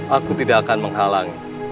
aku tidak akan menghalangi